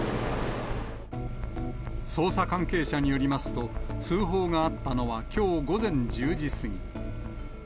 捜査関係者によりますと、通報があったのはきょう午前１０時過ぎ。